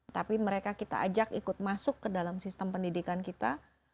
tapi mereka kita ajak ikut masuk ke dalam sistem pendidikan kita